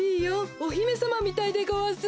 おひめさまみたいでごわす。